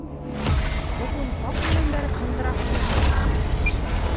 - Ботон таш менән бәреп һындыраһыңмы ни?